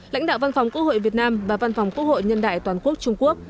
lãnh đạo văn phòng quốc hội việt nam và văn phòng quốc hội nhân đại toàn quốc trung quốc